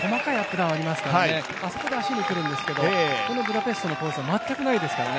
ダウンありますから、そこで足に来るんですけど、このブダペストのペースは全くないですからね。